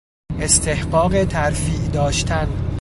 استحقاق ترفیع داشتن